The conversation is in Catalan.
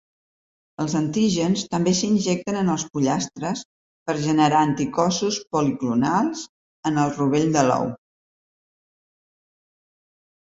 Els antígens també s'injecten en els pollastres per generar anticossos policlonals en el rovell de l'ou.